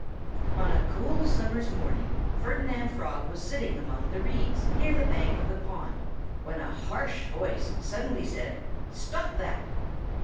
On a cool summer's morning Ferdinand Frog was sitting among the reeds near the bank of the pond when a harsh voice suddenly said: "Stop that!"